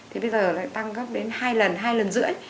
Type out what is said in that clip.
thế bây giờ lại tăng gốc đến hai lần hai lần rưỡi